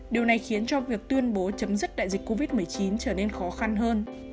điều này khiến cho việc tuyên bố chấm dứt đại dịch covid một mươi chín trở nên khó khăn hơn